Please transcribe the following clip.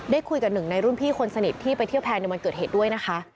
คุยกับหนึ่งในรุ่นพี่คนสนิทที่ไปเที่ยวแพร่ในวันเกิดเหตุด้วยนะคะ